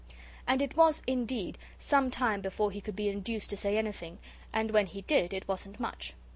And it was, indeed, some time before he could be induced to say anything, and when he did it wasn't much.